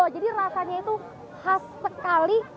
jadi rasanya itu khas sekali